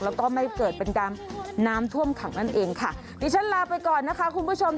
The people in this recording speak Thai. แล้วก็ไม่เกิดเป็นการน้ำท่วมขังนั่นเองค่ะดิฉันลาไปก่อนนะคะคุณผู้ชม